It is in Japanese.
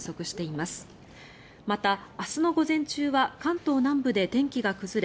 また、明日の午前中は関東南部で天気が崩れ